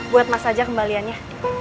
buat mas aja kembaliannya